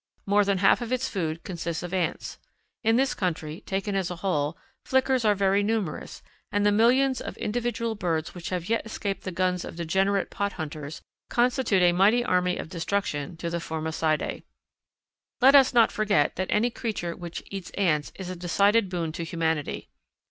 More than half of its food consists of ants. In this country, taken as a whole, Flickers are very numerous, and the millions of individual birds which have yet escaped the guns of degenerate pot hunters constitute a mighty army of destruction to the Formicidae. Let us not forget that any creature which eats ants is a decided boon to humanity.